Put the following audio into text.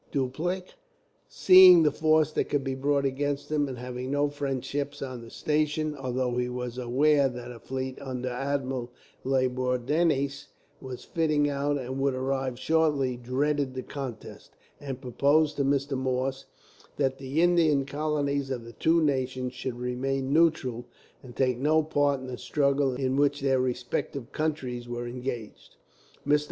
Dupleix, seeing the force that could be brought against him, and having no French ships on the station, although he was aware that a fleet under Admiral La Bourdonnais was fitting out and would arrive shortly, dreaded the contest, and proposed to Mr. Morse that the Indian colonies of the two nations should remain neutral, and take no part in the struggle in which their respective countries were engaged. Mr.